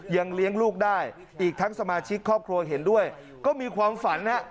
ยังเลี้ยงลูกได้อีกทั้งสมาชิกครอบครัวเห็นด้วยก็มีความฝันฮะ